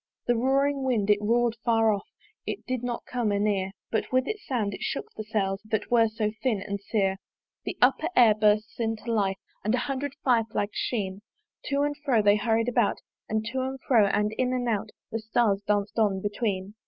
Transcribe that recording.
The roaring wind! it roar'd far off, It did not come anear; But with its sound it shook the sails That were so thin and sere. The upper air bursts into life, And a hundred fire flags sheen To and fro they are hurried about; And to and fro, and in and out The stars dance on between.